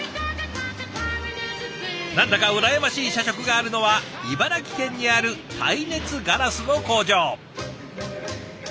何だか羨ましい社食があるのは茨城県にある耐熱ガラスの工場。